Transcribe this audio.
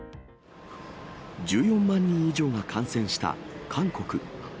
１４万人以上が感染した韓国。